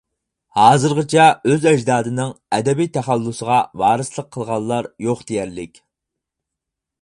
ھازىرغىچە، ئۆز ئەجدادىنىڭ ئەدەبىي تەخەللۇسىغا ۋارىسلىق قىلغانلار يوق دېيەرلىك.